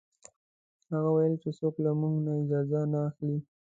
هغه وویل چې څوک له موږ نه اجازه نه اخلي.